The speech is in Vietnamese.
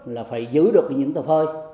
là phải giữ được những tờ phơi